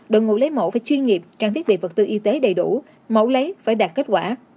đội ngũ lấy mẫu phải chuyên nghiệp trang thiết bị vật tư y tế đầy đủ mẫu lấy phải đạt kết quả